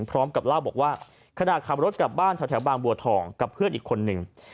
พร้อมกับเล่าบอกว่าขณะขับรถกลับบ้านแถวบางบัวทองกับเพื่อนอีกคนนึง